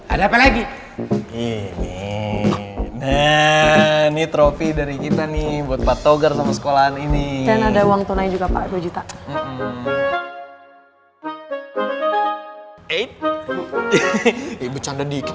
ah bener bener mau mikir